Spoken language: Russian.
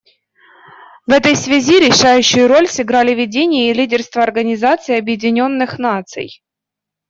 В этой связи решающую роль сыграли видение и лидерство Организации Объединенных Наций.